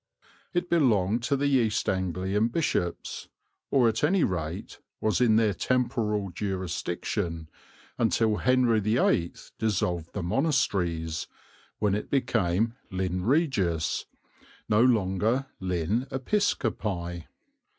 It belonged to the East Anglian bishops, or at any rate was in their temporal jurisdiction, until Henry VIII dissolved the monasteries, when it became Lynn Regis, no longer Lynn Episcopi.